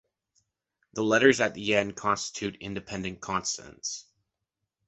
The letters at the end constitute independent consonants.